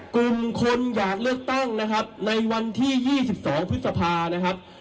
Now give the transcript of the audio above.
กลุ่มคนอยากเลือกตั้งนะครับในวันที่๒๒พฤษภานะครับ